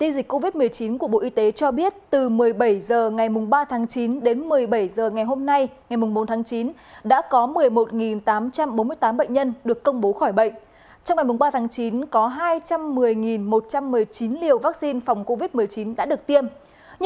xin chào các bạn